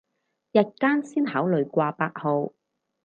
日間先考慮掛八號